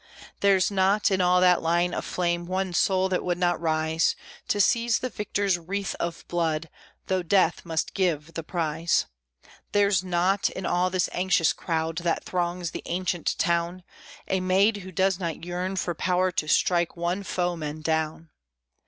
There's not, in all that line of flame, one soul that would not rise To seize the victor's wreath of blood, though death must give the prize; There's not, in all this anxious crowd that throngs the ancient town, A maid who does not yearn for power to strike one foeman down!